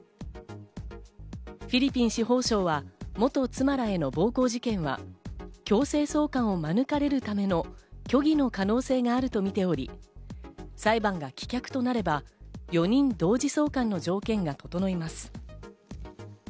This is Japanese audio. フィリピン司法省は元妻らへの暴行事件は、強制送還を免れるための虚偽の可能性があるとみており、裁判が棄却となれば４人同時送還の条件が整います。